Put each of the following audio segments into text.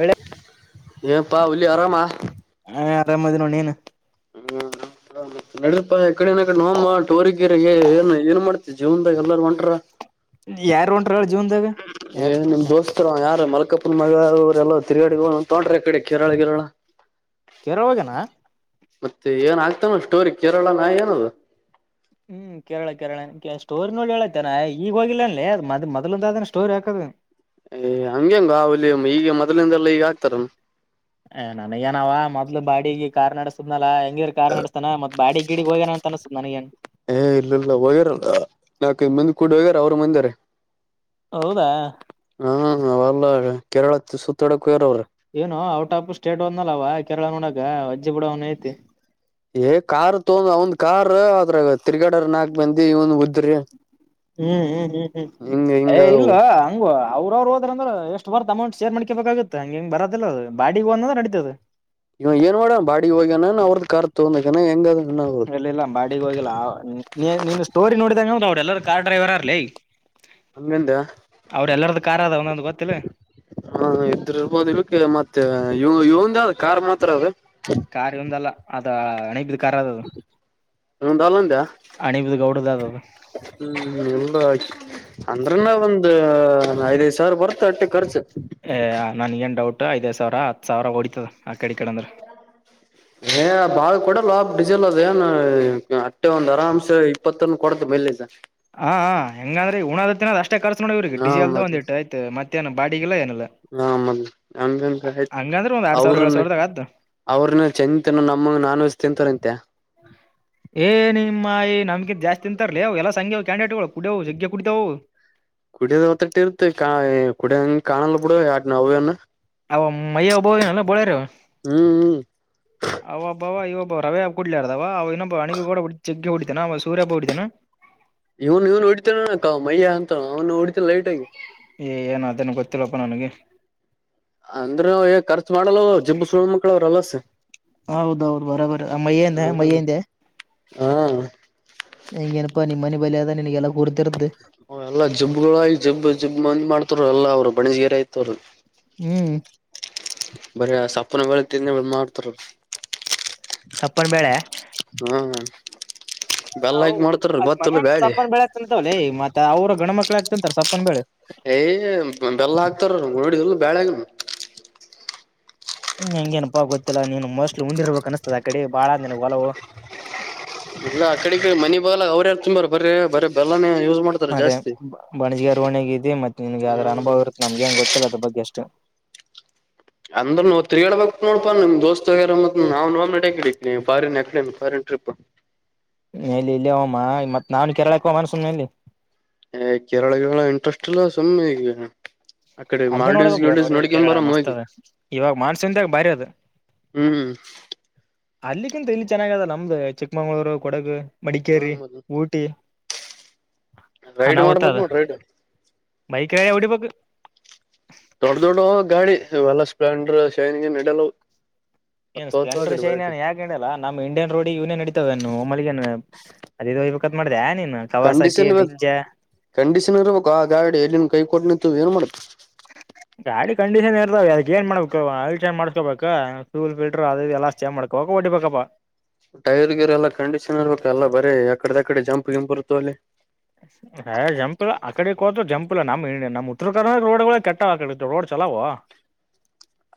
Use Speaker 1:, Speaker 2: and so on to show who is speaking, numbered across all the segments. Speaker 1: ಹ
Speaker 2: ಏನ್ಪಾ ಹುಲಿ ಆರಾಮಾ
Speaker 1: ಏ ಆರಾಮದ ನೋಡ ನೀನ
Speaker 2: [unintelligible] ಹಾ ಮತ್ತ ನಡ್ರೀಪಾ ಯಕ್ಕಡೆನ ಆಕಡೆ ನೋಮ್ಮ ಟೋರಿಗಿರೀಗೆ ಏನ್ ಏನ್ ಮಾಡ್ತೀ ಜೀವನ್ದಾಗ ಎಲ್ಲಾರ ಒಂಟರ
Speaker 1: ಯಾರ್ ಹೊಂಟ್ರ ಹೇಳ ಜೀವನ್ದಾಗ
Speaker 2: ಏ
Speaker 1: ಯಾರು
Speaker 2: ನಿಮ್ಮ ದೋಸ್ತ್ರವಾ ಯಾರ ಮ ಕಪ್ಪನ ಮಗ ಅವರೆಲ್ಲ ತಿರುಗಾಡಿ ಹೋಗ ತಗೊಂಡ್ರೆ ಆ ಕಡೆ ಕೇರಳ ಗೀರಳ
Speaker 1: ಕೆರ ಹೋಗ್ಯಾನ
Speaker 2: ಮತ್ತೆ ಏನ್ ಆಗ್ತಾನಲ್ ಸ್ಟೋರಿ ಕೇರಳ ನ ಏನದು
Speaker 1: ಹ್ಮ್ ಕೇರಳ ಕೇರಳನೇ ಸ್ಟೋರಿ ನೋಡಿ ಹೇಳತೇನ ಏ ಈಗ ಹೋಗಿಲ್ಲ ಅನ್ಲಿ ಅ ಮದ್ ಮೊದಲಿಂದಾನ ಆದ ಸ್ಟೋರಿ ಹಾಕದ.
Speaker 2: ಏ ಹಂಗೆಂಗೋ ಹುಲಿ ಈಗ ಮೊದಲಿಂದೆಲ್ಲಾ ಈಗ ಆಗ್ತಾರನ
Speaker 1: ದ್ಲ ಬಾಡಿಗೆ ಕಾರ್ ನಡಸ್ತದ್ನಲ್ಲಾ ಹೆಂಗೀರ ಕಾರ್ ನಡಸ್ತಾನ ಮತ್ ಬಾಡಿಗ್ ಗಿಡಗ್ ಹೋಗ್ಯನ ಅನಸ್ತತ್ ನನಗೇನ್.
Speaker 2: ಏ ಇಲ್ಲ ಇಲ್ಲ ಹೋಗ್ಯಾರಲ್ಲ ನಾಕ ಐದ್ಮಂದಿ ಕೂಡ ಹೋಗ್ಯಾರ ಅವ್ರ ಮಂದಾರೆ
Speaker 1: ಹೌದಾ
Speaker 2: ಹಾ ಹವಲ್ದಾಗ ಕೇರಳ ತು ಸುತ್ತೋಡ್ಯಾಕ ಹೋಗ್ಯಾರ್ ಅವ್ರ್
Speaker 1: ಏನೋ ಔಟ್ ಆಫ್ ಸ್ಟೇಟ್ ಹೋದ್ನಲ್ಲವ ಕೇರಳ ನೋಡಗಾ
Speaker 2: ಏ ಕಾರ್ ತೋಗೋಂದ್ ಅವಂದ್ ಕಾರ್ ಅದ್ರಾಗ ತಿರ್ಗಡಾರ್ ನಾಲ್ಕ್ ಮಂದಿ ಇವ್ನ್ ಉದ್ರಿ
Speaker 1: ಹ್ಮ್ ಹ್ಮ್ ಹ್ಮ್ ಹ್ಮ್
Speaker 2: ಹಿಂಗ
Speaker 1: ಏ
Speaker 2: ಹಿಂಗ
Speaker 1: ಇಲ್ವಾ ಹಂಗುವ ಅವ್ರ ಅವರು ಹೋದ್ರ ಎಷ್ಟ ಬರ್ ಅೌಂಟ್ ಶೇ ಮಾಡಕೇಬೇಕಾಗೆ ಹಗೆಂಗ ಬರದಿಲ್ಲ ಅ ಬಾಿಗೆ ಹೋದಂದ್ರೆ ನಡಿತತದ
Speaker 2: ಇವ ಏನ್ ಮಾಡಣ ಬಾಡಿ ಹೋಗ್ಯನ ಅವ್ರದ್ದ ಕಾರ್ ತಂದ ಜನ ಹೆಂಗ ಅದ
Speaker 1: ಇಲ್ಲ ಇಲ್ಲ ಬಾಡಗ್ ಹೋಗಿಲ್ಲ ನೀ ನೀನ್ ಸ್ಟೋರಿ ನೋಡಿದಂಗ ಅವ್ರಿ ಎಲ್ಲಾರೂ ಕಾರ್ ಡ್ರೈವರ ಅರ್ಲಿೀ
Speaker 2: ಹಂಗಂದ
Speaker 1: ಅವ್ರ ಎಲ್ಲಾರ್ದ ಕಾರಾರ್ ಅದ ಒಂದೊಂದು ಗೊತ್ತ
Speaker 2: ಹಾ ಇದ್ರಿರ್ಬೋದು ಇಕ್ಕೆ ಮತ್ತೆ ಇ ಇವಂದ ಯಾವ ಕಾರ್ ಮಾತ್ರ ಅದ
Speaker 1: ಕಾರ್ಯ ಒಂದಲ್ಲ ಅದ ಅಣಿಬಿದ್ ಕಾರ್ ಅದದು
Speaker 2: ಒಂದುಲ್ಲಂತ
Speaker 1: ಅಣಿಬಿದ್ ಗೌಡದ ಅದದು
Speaker 2: ಹ್ಮ್ ಎಲ್ ಅಂದ್ರನ ಒಂದ ಐದ ಸರ್ ಬರ್ತಾಟ್ಟ
Speaker 1: ಏ ನನ್ಗಏನ್ ಡೌಟ್ ಐದೈ್ ಸಾವಿರ ಹತ್ ಸಾವಿರ ಹೊಡಿತದ ಕಡೆ ಈ ಕಡೆ ಅಂದ್ರ
Speaker 2: ಬಾಗ ಕೂಡ ಲಾ ಡಿಜಲ್ ಅದ ಏನು ಮೆ ಒಂದು್ ಆರಾಮ್ಸ ಇಪ್ಪತ್ತನ್ನು ಕೊಡತು ಮೆಲ್ಲಿಸ
Speaker 1: ಹಾ ಹೆಂಗಂದ್ರೆ ಉಣದ ತಿನದ ಅಷ್ಟ್ ಷ್ಟ ಕರ್ಸ ನೋಡವ್ರ
Speaker 2: ಹಾ
Speaker 1: ಡಿಸೀಲ್ದು
Speaker 2: ಮತ್
Speaker 1: ಒಂದ ಇಟ್ಟ ಆಯ್ ಮತ್ತೇಏ ಬಾಡಿಲ್ಲ ಏನಲ್ಲ
Speaker 2: ಹ ಮದ್ ನಮಗೆಂದ ಆಯ್ತು
Speaker 1: ಒಂದ್ ಎರಡ್ ಸಾವಿರ ಏಳ್
Speaker 2: ಅವ್ರನ್ನ
Speaker 1: ಸಾವಿರದಾಗ ಆದ್ದು
Speaker 2: ಅವ್ರನ್ನ ಚಂದ ತಿ ನಮ್ಮ ನಾನ್ ವೆಜ್ ತಿಂತಾರಂತೆ
Speaker 1: ಏ ನಿಮ್ಮಾಯಿ ನಮಗೆ [unintelligible] ಜಾಸ್ತಿ ಅಂತರ್ಲಿ ಅವು ಎಲ್ಲ ಸಂಘ್ಯವು ಕ್ಯಾಂಡಿಡೇಟ್ಗಳು ಕುಡವು ಜಗ್ಗೆ ಕುಡತವು
Speaker 2: ಕುಡಿಯದ ಹೊತ್ತಟ್ಟ ಇರುತ್ತ ಕುಡಿಯಂಗ ಕಾಣಲ್ಲ ಬಿಡ ಯ ನಾವ್ಯನ
Speaker 1: ಆ ಮಯ ಬಲ್ಲ ಬೊಳರ
Speaker 2: ಹ್ಮ್ ಹ್ಮ್
Speaker 1: ಆ ಬ ಇವ ರವೆ ಹಬ ಕುಡ್ಲಾರದವ ಅವವು ಇನ್ನೊಬ್ ಅಣಿೂಡ ಚಗ್ಿ ಹೊಡಿತತಾನ ಅವ ಸೂರ್ಯ ಹಬ ಹ ಹೊಡಿತಾನಾ
Speaker 2: ಇವನ್ ಇವನ್ ಹೊಡಿತರಣ ಕ ಮಯ್ಯ ಅಂತ ಅವ್ನು ನೋಡ
Speaker 1: ಏ ಏನ್ ಅದನ್ ಗೊತ್ತಿಲ್ಲಪ್ಪ ನನಗೆ
Speaker 2: ಅಂದ್ರ ರ್ಚು ಮಾಡಲ್ಲವ ಜಿಬು ಸುಳ್ [unintelligible] ಮಕ್ಳ ಅವ್ರ ಅಲಸ
Speaker 1: ಹೌದೌದು ಬರಬರ ಮಯಿಂದ
Speaker 2: ಹ
Speaker 1: ಮಯಂದ
Speaker 2: ಹ
Speaker 1: ಹಂಗಗೆಏನಪಾ ನಿಮ್ಮ ಮನೆ ಬಲಿಿಯದ ನಿನ್ಗೆಲ್ಲ ಕೂರ್ತಿರ್ದ್
Speaker 2: ಹ ಎಲ್ಲಾ ಜಿಬ್ಗಳಾಗಿ ಜಬ್ ಜಿಬ್ ಮಂದ್ ಮಾಡ್ತವ ಎಲ್ಲ ಅವರು ಬಣಿಜ್ಗೀರ ಐತವರು
Speaker 1: ಹ್ಮ್
Speaker 2: ಬರ ಸಪ್ಪನ ಬೆಳೆ ತಿಿಂದ ಮಾಡ್ತಾರ
Speaker 1: ಸಪ್ಪನ್ ಬೇಳೆ
Speaker 2: ಹಾ ಬೆಲ್ಲ
Speaker 1: ಹ
Speaker 2: ಹಾಕಿ ಮಾಡ್ತಾರ
Speaker 1: ಅ
Speaker 2: ಗೊತ್ತಲ್ಲ
Speaker 1: ಮನ
Speaker 2: ಬ್ಯಾಳಿ
Speaker 1: ಸಪ್ಪಾನ್ ಬೆಳೆ ಆಗ್ತಂತವಲ್ಲೇ ಮತ್ತ ಅವರು ಗಣ ಮಕ್ಳ ಆಗ್ತಂತಾರೆ ಸಪ್ಪನ್ ಬೆಳೆ
Speaker 2: ಏಯ್ ಬೆಲ್ಲ ಹಾಕ್ತಾರ ನೋಡಿದಲ್ಲ ಬ್ಯಾಳ್ಯಾಗ
Speaker 1: ಹ್ಮ ಹೆಂಗಗೆನಪ್ಪ ಗೊತ್ತಿಲ್ಲಾ ನೀನು ಮೋಸ್ಟ್ಲಿ ಮುಂದಿರ್ಬೇಕಕ್ ಅನ್ಸ್ತದ ಆ ಕಡೆ ಬಾಳ ಅಂದ ಹೊಲವು
Speaker 2: ಇಲ್ಲ ಆ ಕಡೆಗೆ ಮನಿ ಬಾಗಲ ಅವ್ರ ಎಲ್ಲ ತುಂಬಾರ ಬರ್ರ ಬರ ಬೆಲ್ಲಾನ
Speaker 1: ಅದೇ ಬಣಜಿಗೆ ಅರವಣೆಗೆಗ ಇಿ ಮತ್ತೆ ನಿನ್ಗೆ ಯಾವದ್
Speaker 2: ಹಾ
Speaker 1: ಅನುಭವ ಇರುತ್ತೆ ನಮ್ಗೆ ಏನ್ ಗೊತ್ತಿಲ್ಲ ಅದ್ರ ಬಗ್ಗೆ ಅಷ್ಟು
Speaker 2: ಅಂದ್ರ ನೋ ತಿರುಗಾಡಬೇಕಕ್ ನೋಡ್ಪಾ ನಿಮ್ ದೋಸ್ತ್್ಯಾರ ಮತ್ ನಾವು ನ್ ನಡಡಾರಿಿನ ಟ್ರಿಪ್
Speaker 1: ಎಲ್ಲಿ ಇಲ್ಲೇ ಹಮ್ಮ ಮತ್ ನಾನು ಕೆರಳಕ್ಕೆ ಮನ್ಸುಲ್ಲಿ
Speaker 2: ಹ ಕೇರಳಲ್ಲ ಇಂಟ್ರೆಸ್ಟ್ ಇಲ್ಲ ಸುಮ್ಮಿ
Speaker 1: ಅದೇ ನೋಡ್ಬಕ್ಲ ನೋಡಿದ್ರ ಕೇರಳ ಮತ್ದ್ ಇವಾಗ ಮಾನ್ಸೂನ್ಾಗ ಬಾರಿ ಅದ್
Speaker 2: ಹ್ಮ್
Speaker 1: ಅಲ್ಲಿಕ್ಕಿಂತ ಇಲ್ಲಿ ಚೆನ್ನಾಗ ಅದ ನಮ್ದು ಚಿಕ್ಕಮಂಗ್ಗಳೂರು ಕೊಡಗು
Speaker 2: ಹ
Speaker 1: ಮಡಿಕೇರಿ ಊಟಿ
Speaker 2: ರೈಡ್ ಮಾಡ್ಬೇಕ್
Speaker 1: ಅನ್ನಾವತದ
Speaker 2: ನೋಡ್ ರೈಡ್
Speaker 1: ಬೈಕ ರ ಎವಿ ಬ
Speaker 2: ದೊಡ್ಡ ದೊಡ್ಡ ಗಾಡಿ ಇವೆಲ್ಲ ಸ್ಪ್ಲೆಂಡರ್ ಶೈನಿಗೆ ನಡಲ್ಲ
Speaker 1: ಏನ್ ಸ್ಪ್ಲೆಂಡರ್ ಶೈನ್ ಏನ್ ಹಾಕಂಡಲ್ಲಾ ನಮ್ಮ್ ಇಂಡಿಯನ್ ರೋಡ್ ಯೂನಿಯನ್ ಇಡಿತತಾವಏಮ್ಮಗ ಮಾಡ ನೀ [unintelligible]
Speaker 2: ಕಂಡೀಷನ್ ಇು ಕಂಡೀಷನ್ ಇರ್ಬೇಕು ಆ ಗಾಡಿ ಎಲ್ಲಿನ್ ಕೈ ಕೊಟ್ಟನಂತ ಏನ್ ಮಾಡ್ತು
Speaker 1: ಗಾಡಿ ಕಂಡೀಷನ್ ಇರ್ತಾವ ಅದ ಏನ್ ಮಾಡ್ಬೇಕು ಅಲ್ಲಿ ಚೆಕ್ ಮಾಡ್ಸ್ಕೋಬೇಕು ಫ್ಯಲ್ ಫಿಲ್ಟರ್ ಅಲ್ಲ ಚೆಕ್ ಮಾಡ್ ಕೋಕವಾಟಿ ಪಕಪ್ಪಾ
Speaker 2: ಟೈರ್ ಗಿರ್ ಎಲ್ಲಾ ಕಂಡೀಷನ್ ಇರ್ಬೇಕ ಎಲ್ಲ ಬರೀ ಯಕಡದಕಡೆ ಜಂಪ್ ಗಂಪ್ ಇರ್ತ ಅಲ್ಲಿ
Speaker 1: ಹ ಜಂಪ್ಲ ಆಕಡೆ ಕೋದರು ಜಂಪ್ ನಮ್ ನಮ್ಮ ಉತ್ರ ಕರ್ನಾಟಕ ರೋಡ್ಗಳ ಕೆಟ್ಟಡೆ ರೋಡ್ ಚಲಾವ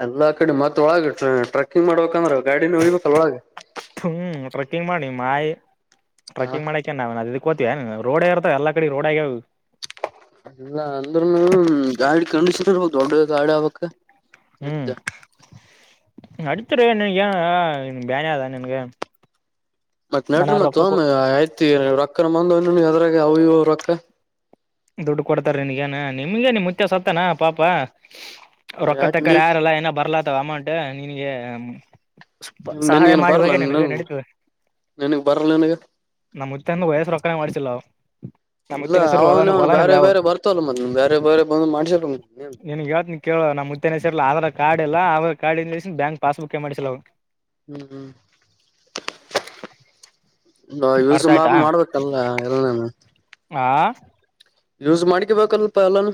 Speaker 2: ಎಲ್ಲಾ ಕಡೆ ಮತ್ತತ್ ಒಳಗ ಟ್ರೆಕ್ಕಿಂಗ್ ಮಾಡ್ಬೇಕಂದ್ರೆ ಗಾಡಿನ ಹೋಗ್ಬೇಕ ಒಳಗ
Speaker 1: ಹ್ಮ್ ಟ್ರೆಕ್ಕಿಂಗ್ ಮಾಡಿ ಮಾಯಿ
Speaker 2: ಹಾ
Speaker 1: ಟ್ರೆಕ್ಕಿಂಗ್ ಮಾಡಕ ನ ಅವ ಅ ೋತ [unintelligible] ರೋಡ್ ಇರ್ತ ಎಲ್ಲಾ ಕಡೆ ರೋಡ್ ಆಗ್ಯ
Speaker 2: ಅಲ್ಲ ಅಂದ್ರ ಗಾಡಿ ಕಂಡೀಷನ್ರ್ ಹೋಗ ದೊಡ್ಡ ಗಾಡಿ ಆಬಕ್ಕ
Speaker 1: ಹ್ಮ್ ಅಡತರು ಏ ಬ್ಯಾನಾದಾ ನಿನಗೆ
Speaker 2: ಮತ್ ನಡ್ರಿ ಮತ್ತ ಆ ಆಯ್ತಿ ರೊಕ್ಕನ ಬಂದ ಅದ್ರಾಗ ಅ ಇ ರೊಕ್ಕ
Speaker 1: ದುಡ್ಡು ಕೊಡ್ತಾರನ್ಗೇನ ನಿಮ್ಗೆ ನಿ ಮುಚ್ಚ ಸತ್ತಾನ ಪಾಪ ರೊಕ್ಕ
Speaker 2: ಯಾಕ
Speaker 1: ತಕ್ಕರ್
Speaker 2: ನೀವ್
Speaker 1: ಯಾರಲ್ಲ ಏನ ಬರ್ಲಾತ್ತವ ಅಮೌಂಟ್ ನಿನಗೆ ಸ್ವಲ್ಪ ಸಹಾಯ
Speaker 2: ನನ್ಗೇನ್
Speaker 1: ಮಾಡಿ
Speaker 2: ಬರಲ್ಲ
Speaker 1: ಬಗ್ಗೆ ನಿನಗೆ
Speaker 2: ನನ್
Speaker 1: ನಡೀತವೆ
Speaker 2: ನನ್ಗ್ ಬರಲ್ಲ ನನ್ಗ
Speaker 1: ನಮ್ಮ ಮುತ್ತಂದ ವಯಸ್ಸ ರೊಕಾರ ಮಾಡಿಸಿಲ್ಲವು
Speaker 2: ಇಲ್ಲ ಅವನು ಇವ ಬೇರೆ
Speaker 1: ಯಾವು
Speaker 2: ಬೇರೆ ಬರ್ತಲ್ಲ ಮದ್ ಬೇರೆ ಬೇರೆ ಬಂದ ಮಾಡ್ಸರ್ಬೇಕ ನೀ
Speaker 1: ನಿನ್ಗ್ ಹೇಳ್ತೀನಿ ಕೇಳು ನಮ್ಮ ಮುತ್ಯನ ಹೆಸರ್ಲ ಆಧಾರ್ ಕಾರ್ಡ್ ಎಲ್ಲ ಆಧಾರ್ ಕಾರ್ಡ್ ಇ ಬ್ಯಾಂಕ್ ಪಾಸ್ ಬುಕ್ ಮಾಡ್ಸಲ ಅವನು
Speaker 2: ಹ್ಮ್ [inaudible] ಯೂಸ್
Speaker 1: ಅರ್ಥ
Speaker 2: ಮಾ
Speaker 1: ಆಯ್ತಾ
Speaker 2: ಮಾಡ್ಬೇಕಲ್ಲ ಎಲ್ನನು
Speaker 1: ಆ
Speaker 2: ಯೂಸ್ ಮಾಡ್ಕ ಬಲ್ಪ ಎಲ್ಲಾನ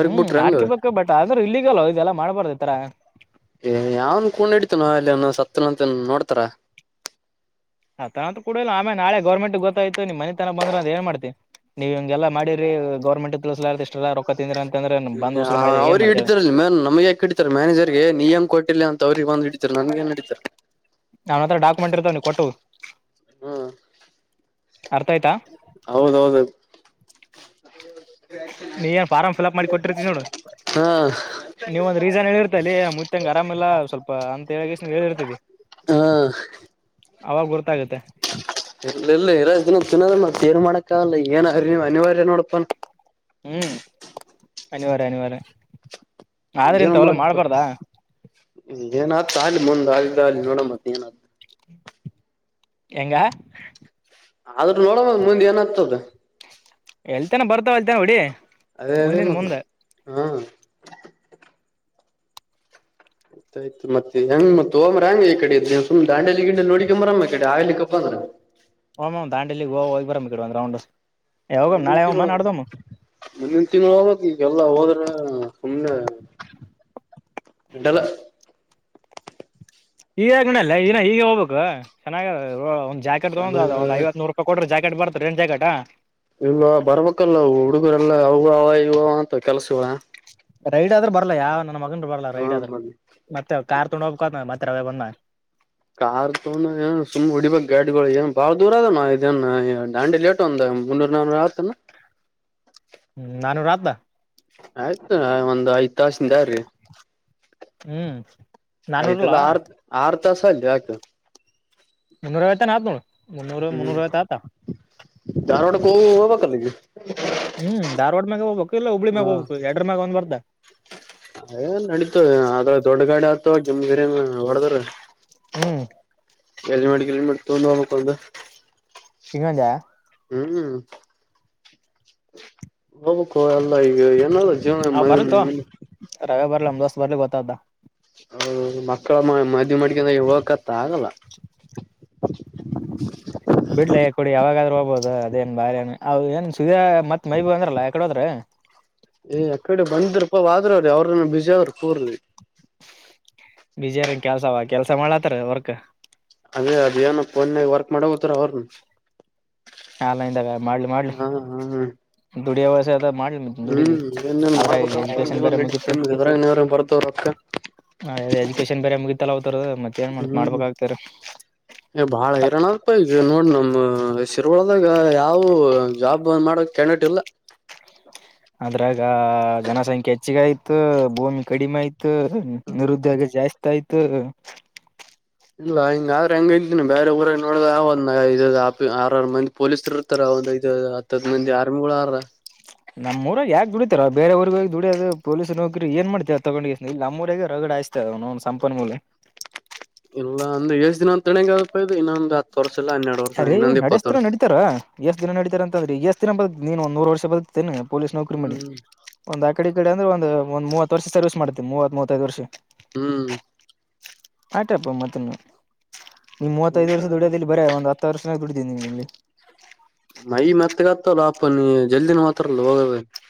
Speaker 1: ಹ್ಮ್ ನಾಡ್ಕ ಬು ಬಟ್ ಆದ್ರೂ ಇಲ್ಲಿಗಲ್ ಇದೆಲ್ಲಾ ಮಾಡಬಾರದು ಇತರ
Speaker 2: ಏ ಯಾವನ್ ಕೂಣ ಇಡ್ತ ನ ಅಲ್ಲಿ ಸತ್ತನ ಅಂತ ನೋಡ್ತಾರ
Speaker 1: ಆ ತನತ್ಡಲ್ಲ ಆಮೆ ನಾಳ ಗರ್ಮೆಂಟ್ ಗೊತ್ತಾಯ್ ನೀನ್ ಮಿ ತನ ಬಂದ್ರಂದ ಅ ಏ ಮಾಡ್ತಿ ನೀವ್ಗೆಲ್ಲ ಮಾಡಿರಿ ಗರ್ಮೆಂಟ್ ತಿಳಸಲಾರ ಇಷ್ಟಲ್ಲ ರೊಕ್ಕ ತಿಂದ್ರಿ ಅಂ
Speaker 2: ಹ ಅವ್ರ ಹಡಿದಾರ ನಮ್ ಯಾಕ ಹಡಿತತಾರ ಮ್ಯಾನೇಜರ್ಗೆ ನಿಯಮ್ ಕೊಟ್ಟಿಲ್ಲ ಅಂತರು [inaudible] ಇವ್ ನಡಿತಾರೆ ನನ್ ಏನ್ ನಡೀತರ್
Speaker 1: ನಾವನ್ ಹತ್ರ ಡಾಕ್ಯುಮೆಂಟ್ ಇರ್ತವ ನೀ ಕೊಟ್ಟು ಅರ್ಥ ಆಯ್ತಾ
Speaker 2: ಹೌದೌದದು
Speaker 1: ನೀ ಏ ಫಾರ್ಮ್ ಫಿಲ್ಅಪ್ ಮಾಡಿ ಕೊಟ್ಟಿರ್ತ ನೋಡು
Speaker 2: ಹಾ
Speaker 1: ನೀವ ಒಂದ್ ರೀಸನ್ ಹೇಳಿರ್ತ ಅಲ್ಲಿ ಮುತಂಗಗೆ ಆರಾಮಲ್ಲ ಸ್ವಲ್ಪ ಅಂತ ಹೇಳಗ ಹೇಳಿರ್ತತಿ [inaudible]
Speaker 2: ಹಾ
Speaker 1: ಅವಾಗರುತ್ತ [inaudible]
Speaker 2: ಎಲ್ಲ ಎಲ್ಲ ಹರ್ತ ನ ಚೆನ್ನಾದ ಏನ್ ಮಾಡಾಕ್ಕಲ್ಲ ಏನ್ ಅ ಅನಿವಾರ್ಯ ನೋಡಪನ್
Speaker 1: ಹ್ಮ್ ಅನಿವಾರ್ಯ ಅನಿವಾರ್ಯ ಆದ್ರ ಇಂತವಲ್ಲ ಮಾಡ್ಬಾರ್ದಾ
Speaker 2: ಏನ್ತ ತಾಣ ಮುಂದ್ ಆದ್ದ ಅ ನೋಡ ಮತ್ತೆ ಏನತ
Speaker 1: ಎಂಗ
Speaker 2: ಆದ್ರ ನೋಡ ಮುಂದೆ ಏನಾಗ್ತದ
Speaker 1: ಎಲ್ತಾನ ಬರ್ತಾವ ಅಲ್ತಾನ ಹೊಡಿ
Speaker 2: ಅದೇ ಅದೇ
Speaker 1: ಮುಂದಿನ
Speaker 2: ಮತ್ತೆ
Speaker 1: ಮುಂದೆ
Speaker 2: ಹಾ ಆಯ್ ಆಯ್ತತ್ ಹೆಂಗ್ ಮತ್ ಹೋರ ಹೆಂಗ ಈ ಕಡೆ ಸುಡಲಿ ಗಿಂಡಲ್ಲಿ ನೋಡಕ್ರಮ್ಮ ಈ ಕಡೆ ಆಲಿ ಕ [inaudible]
Speaker 1: ಹಓ ದಾಂಡಲಿ ಹ ಹೋಗ್ ಬರ ಒಂದ್ ರೌಂಡ್ಗ್ ನಾಳೆ ಹಮ್ಮ ನಡ್ದಮ್ಮ
Speaker 2: ಮುಂದಿನ್ ತಿಂಗಳು ಹೋಗ್ಬೇಕು ಈಗೆಲ್ಲ ಹೋದ್ರೆ ಸುಮ್ನೆ ಗಟಲ್ಲ [inaudible]
Speaker 1: ಈಗಗ್ನಲ್ಲ ಈ ಈಗಗೆ ಹೋಗ್ಬೇಕು ಚೆನ್ನ ಒ ಜಾಕೆಟ್ ತಗ
Speaker 2: ಚೆನ್ನಾಗ
Speaker 1: ಒಂದು ಐವತ್ತಮೂರು ರೂಪಾಯಿ ಕೊಟ್ಟ್ರ ಜಾಕೆಟ್ ಜಾಟ್ ಬರ್ತ ರೆ ಎ ಜಾಕೆಟಾ
Speaker 2: ಇಲ್ವಾ ಬರ್ಬೇಕಲ್ಲ ಹುಡುಗರೆಲ್ಲ ಅವು ಅವ ಇವ ಅವ ಅಂತ ಕೆಲ್ಸುವ.
Speaker 1: ರೈಡ್ ಆದ್ರ ಬರ್ಲಾ ಯಾವ ನನ್ ಮಗಂದ್ ಬರಲ್ಲಾ
Speaker 2: ಹ
Speaker 1: ರೈಡ್ ಆದ್ರ
Speaker 2: ಮ
Speaker 1: ಮತ್ತೆ ಅವರ್ ಕಾರ್ ತಗೊಂಡ್ ಹೋಗಬೇಕು ಅದನ್ ಮತ್ತ್ [unintelligible]
Speaker 2: ಕಾರ್ ತೋಗೊಂಡ್ರ ಏನ್ ಸುಮ್ ಹೊಡಿಬೇಕ್ ಗಾಡಿಗೋಳ್ ಏನ್ ಬಾಳ ದೂರ ಅದನ್ ಇದೇನ್ ದಾಂಡೇಲಿ ಎಟ್ಟ್ ಒಂದ್ ಒಂದ್ ಮುನ್ನೂರು, ನಾನೂರ್ ಆತನ್.
Speaker 1: ಹ್ಮು ನಾನೂರ್ ಆತ್ಲಾ.
Speaker 2: ಆಯ್ತು ಅಣ್ಣಾ ಒಂದ್ ಐದ್ ತಾಸಿಂದೀ [unintelligible]
Speaker 1: ಹ್ಮ್ ನಾನೂರ್ಲ್ಲ
Speaker 2: ಆಯ್ತಲ್ಲ ಆರ್ ಆರ್ ತಾಸ್ ಅಲ್ಲೀಯಾಕ್.
Speaker 1: ಮುನ್ನೂರು [unintelligible] ಮುನ್ನೂರು ಮುನ್ನೂರು [unintelligible]
Speaker 2: [unintelligible] ಅಲ್ಲಿಗಿ.
Speaker 1: ಹ್ಮು ಧಾರ್ವಾಡ ಮ್ಯಾಗ ಹೋಗಬೇಕು ಇಲ್ಲ ಹುಬ್ಳಿ ಮ್ಯಾಗ ಹೋಗಬೇಕು ಎಡರ ಮ್ಯಾಗ ಒಂದ್ [unintelligible]
Speaker 2: ಅದೇನ್ ನಡೀತದ ಆದ್ರ ದೊಡ್ಡ ಗಾಡಿ ಆತವ್ ಜಿಮ್ [unintelligible] ಹೊಡದ್ರ.
Speaker 1: ಹ್ಮು
Speaker 2: [unintelligible]
Speaker 1: ಹಿಂಗ್ ಅಂದ್ಯಾ.
Speaker 2: ಹ್ಮು ಹೋಗ್ಬೇಕೊ ಅಲ್ಲ ಇ ಎ ಏನದ್ ಜೀವನ [unintelligible]
Speaker 1: ಇಲ್ಲ ಒಂದ್ ವರ್ಷ ಬರ್ಲಿ [unintelligible]
Speaker 2: ಹೌದ್ ಹೌದು ಮಕ್ಕಳ್ [unintelligible]
Speaker 1: ಬಿಡ್ಲೇ ಕೊಡಿ ಯಾವಾಗಾದ್ರೂ [unintelligible] ಹೌದ ಅದೇನ್ ಬಾಳ್ ಏನ್ ಅವೇನ್ ಸುದ್ಯಾ ಮತ್ತ್ ಮೈ [unintelligible]
Speaker 2: ಎ ಅಕಡೆ ಬಂದ್ರಪಾ ಹೋದ್ರ ಅವ್ರ ಯಾರೋ ಬಿಜಾಪುರಿಗಿ.
Speaker 1: [unintelligible] ಕೆಲ್ಸವಾ ಕೆಲ್ಸ ಮಾಡಾತ್ತಾರ ವರ್ಕ್.
Speaker 2: ಅದೇ ಅದೇನ್ ಫೋನ್ಯಗ್ ವರ್ಕ್ ಮಾಡ ಹೋತಾರ ಅವ್ರ್ನ.
Speaker 1: ಆನ್ಲೈನ್ದಾಗ ಮಾಡ್ಲಿ ಮಾಡ್ಲಿ
Speaker 2: ಹ
Speaker 1: ದುಡಿಯೋ ವಯಸ ಮಾಡ್ಲಿ ದುಡಿಲಿ
Speaker 2: ಹ್ಮ್ ಏನೇನ್
Speaker 1: ಅದ್ರಾಗ್
Speaker 2: ಮಾಡ್ಬೇಕಪ್ಪ
Speaker 1: ಎಜುಕೇಶನ್
Speaker 2: ನೀವ
Speaker 1: ಬೇರೆ ಮುಗಿತ್ತು.
Speaker 2: ಇದ್ರಾಗ ನೀವ್ರ ಬರ್ತವ ರೊಕ್ಕ
Speaker 1: ಅ ಎಜುಕೇಶನ್ ಬೇರೆ ಮುಗಿತ್ತಲ್ಲ ಅವತುರ್ದು ಮತ್ತೇನ್ ಮಾಡ ಮಾಡ್ಬೇ [unintelligible]
Speaker 2: ಎ ಬಾಳ ಹೈರಣ ಆತ್ [unintelligible] ಟ್ರೊಲ್ದಾಗ ಯಾವು ಅ ಜಾಬ್ ಮಾಡೋ ಕ್ಯಾಂಡೇಟ್ ಇಲ್ಲ.
Speaker 1: ಅದ್ರಾಗ ಆ ಜನಸಂಖ್ಯೆ ಹೆಚ್ಚಿಗೆ ಆಯ್ತು ಭೂಮಿ ಕಡಿಮೆ ಆಯ್ ಯ್ತು
Speaker 2: ಹ್ಮ
Speaker 1: ನಿರುದ್ಯೋಗ ಜಾಸ್ತಿ ಆಯ್ತು.
Speaker 2: ಇಲ್ಲಾ ಹಿಂಗ್ ಆದ್ರ [unintelligible] ಬ್ಯಾರೆ ಊರಾಗ್ ನೋಡದಾ ಆರ ಆರ್ ಮಂದಿ ಪೊಲೀಸರ್ ಇರ್ತಾರ್. [unintelligible] ಹತ್ತ [unintelligible] ಮಂದಿ [unintelligible]
Speaker 1: ನಮ್ಮ್ಊರಾಗ ಯಾಕ್ ದುಡಿತಾರ ಬೇರೆ ಊರಿಗೋಗಿ ದುಡಿಯದ ಪೊಲೀಸ್ ನೌಕರಿ ಏನ್ ಮಾಡ್ತಿಯ ತಗೊಂಡೋ ಇ ನಮ್ಮ ಊರಾಗ ರಗಡ್ [unintelligible] ನೌನ್ ಸಂಪನ್ಮೂಲ.
Speaker 2: ಇಲ್ಲ ಅಂದ ಎಷ್ಟ್ ದಿನ ಅಂತ [unintelligible] ಇನ್ನೊಂದು ಹತ್ತ ವರ್ಷ. ಇಲ್ಲ ಹನ್ನೆರಡು ವರ್ಷ
Speaker 1: ಅರೇ
Speaker 2: ಇನ್ನೊಂದ್ ಇಪ್ಪತ್ತು
Speaker 1: ನಡೇಸ್ತರ
Speaker 2: ವರ್ಷ
Speaker 1: ನಡೀತಾರ ಎಷ್ಟ ದಿನ ನಡೀತಾರ ಅಂತ [unintelligible] ಎಷ್ಟ ದಿನ ಬದಕ್ತಿ ನೀನ್ ಒಂದ ನೂರು ವರ್ಷ ಬದಕ್ತಿ ಏನ್ ಪೊಲೀಸ್ ನೌಕರಿ ಮಾಡಿ
Speaker 2: ಹ್ಮ್
Speaker 1: ಒಂದ ಕಡೆ ಕಡೆ ಒಂದ್ ಅಂದ್ರ ಒಂದ ಮೂವತ್ತ್ ವರ್ಷ ಸರ್ವಿಸ್ ಮಾಡ್ತಿ ಮೂವತ್ತ್, ಮೂವತ್ತೈದ್ ವರ್ಷ.
Speaker 2: ಹ್ಮು
Speaker 1: [unintelligible] ಮತ್ತ್ ಇನ್ನ್ ನೀಮ್ ಮೂವತ್ತೈದು ವರ್ಷ ದುಡಿಯೋದಿಲ್ಲಿ ಬರೇ ಒಂದ್ ಹತ್ತ್ [unintelligible] ದುಡಿದಿನಿ ಇಲ್ಲಿ.
Speaker 2: [unintelligible]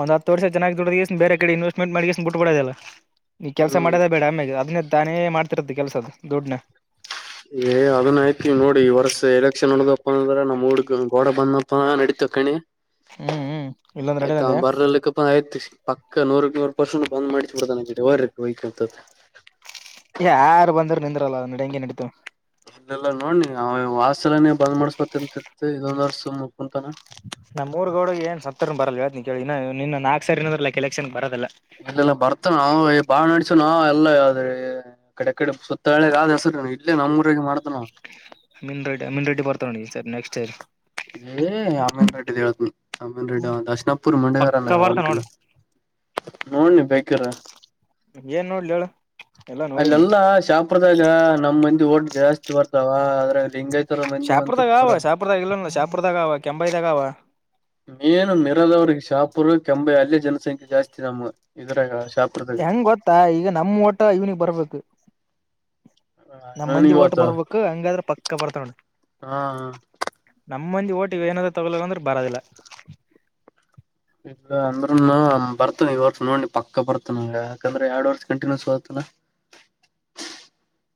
Speaker 1: ಒಂದ್ ಹತ್ತು ವರ್ಷ ಚನ್ನಾಗಿ ದುಡ್ದಷ್ಟ ಬೇರೆ ಕಡೆ ಇನ್ವೆಸ್ಮಂಟ್ ಮಡ್ಗಿಸಿ ಬಿಟ್ಬಡೋದಲ್ಲ. ನೀ ಕೆಲ್ಸ
Speaker 2: ಹ್ಮ್
Speaker 1: ಮಾಡದೇ ಬೇಡ ಆಮ್ಯೆಗೆ ಅದನ್ನೇ ತಾನೇ ಮಾಡ್ತಿರುತ್ತೆ ಕೆಲ್ಸದ ದುಡ್ನ.
Speaker 2: ಎ ಅದನ್ನ ಆಯ್ತಿ ನೋಡಿ ವರ್ಷ ಎಲೆಕ್ಷನ್ [unintelligible] ಅಂದ್ರ ನಮ್ [unintelligible] ಗೋಡ [unintelligible] ತಕನಿ
Speaker 1: ಹ್ಮು ಹ್ಮು.
Speaker 2: ಆಯ್ತ್ ಅವ್ ಬರ್ಲಿಕ್ಕಪ್ಪ ಆಯ್ತ್ ಪಕ್ಕ ನೂರಕ್ ನೂರ್ ಪರ್ಸೆಂಟ್ ಬಂದ್ ಮಾಡಿಸಿ ಬಿಡತಾನ [unintelligible] ಹ್ಕತ
Speaker 1: ಯಾರು ಬಂದರು ನಿಂದ್ರಲ್ಲಡ ನಡಿಯಂಗೇ ನಡೀತ.
Speaker 2: ಇಲ್ಲೆಲ್ಲಾ ನೋಡ್ನಿ ಅವ ವಾಸ್ ಎಲನೇ ಬಂದ್ ಮಾಡ್ಸ್ಬೇಕಂತ ಇದೊಂದ್ ವರ್ಷ ಮುಕುಂತಾನ.
Speaker 1: ನಮ್ಮ್ ಮೂರ್ ಗೋಡಗ್ ಏನ್ ಸತ್ತರ್ ಬರಲ್ಲ ಹೇಳ್ತನಿ ಕೇಳಿ ಇನ್ನ ನಾಲ್ಕ್ ಸರ್ ನದಾಕ್ ಎಲೆಕ್ಷನ್ ಬರದಲ್ಲ.
Speaker 2: ಇಲ್ಲೆಲ್ಲಾ ಬರ್ತಾನ ಬಾಳ ನಡ್ಸನ ಅದೆಲ್ಲ ಎ ಕಡೆ ಕಡೆ ಸುತ್ತ ಒಗ ಆದ್ ಹೆಸರು ಇಲ್ಲೇ ನಮ್ಮ ಊರಾಗ ಮಾಡ್ತಾನವ.
Speaker 1: ಮೀನ್ ರೆಡಿ ಮೀನ್ ರಡ್ಡಿ ಬರ್ತವಿ ಸರಿ ನೆಕ್ಸ್ಟ್ ಯಾರ್
Speaker 2: ಏ ಅಮೀನ್ ರೆಡ್ ತಿಳತನಿ ಅಮನ್ ರೆಡ್ಡ ಅವ ದರ್ಶಣಾಪುರ್ ಮಂಡಗಾರ
Speaker 1: ಪಕ್ಕ ಬರ್ತಾನ
Speaker 2: ಅವ.
Speaker 1: ನೋಡು
Speaker 2: ನೋಡ್ನ ನೀ ಬೇಕರ.
Speaker 1: ಏನ್ ನೋಡ್ಲಿ ಹೇಳು ಎಲ್ಲಾ ನೋಡಿನಿ
Speaker 2: ಅಲ್ಲೆಲ್ಲಾ ಶಾಪ್ರದಾಗ ನಮ್ಮ ಮಂದಿ ಓಟ ಜಾಸ್ತಿ ಬರ್ತಾವ ಅದ್ರಾಗ ಲಿಂಗ್
Speaker 1: ಶಾಪುರ್ದಾಗ ಅವ ಶಾಪರದಾಗ ಇಲ್ಲ ಶಾಪುರ್ದಾಗ ಅವ ಕೆಂಬಾಯ್ದಾಗ ಅವ.
Speaker 2: ಮೀನ ಮಿರದವ್ರಿಗೆ ಶಾಪುರ್ ಕೆಂಬೆ ಅಲ್ಲೇ ಜನಸಂಖ್ಯೆ ಜಾಸ್ತಿ ನಮ್ಮ ಇದ್ರರಾಗ
Speaker 1: ಹೆಂಗ್ ಗೊತ್ತಾ ಈಗ ನಮ್ ಊಟ ಇವ್ನಿಗೆ ಬರ್ಬೇಕ. ನಮ ಮಂದಿ
Speaker 2: ಅವನಿಗೆ
Speaker 1: ಓಟ
Speaker 2: ಇವತ್ತ
Speaker 1: ಬರ್ಬೇಕು ಹಂಗಾದ್ರೆ ಪಕ್ಕ ಬರ್ತಾ ನೋಡ.
Speaker 2: ಹಾ
Speaker 1: ನಮ್ಮ ಮಂದಿ ಓಟಿಗೆ ಏನ್ರ ತೊಗೊಲಕ್ಕ ಅಂದ್ರೆ ಬರದಿಲ್ಲ.
Speaker 2: ಇ ಅಂದ್ರ ಬರ್ತ ಈ ವರ್ಷ ನೋಡ್ ಪಕ್ಕ ಬರ್ತನ ಯಾಕಂದ್ರೆ ಎರಡ್ ವರ್ಷ ಕಂಟಿನ್ಯೂಸ್ಗತನ. [inaudible]